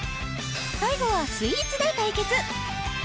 最後はスイーツで対決